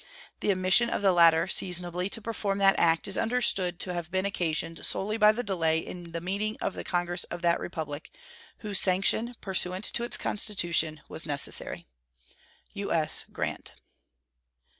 The omission of the latter seasonably to perform that act is understood to have been occasioned solely by the delay in the meeting of the Congress of that Republic, whose sanction, pursuant to its constitution, was necessary. U.S. GRANT.